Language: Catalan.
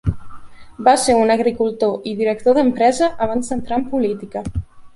Va ser un agricultor i director d'empresa abans d'entrar en política.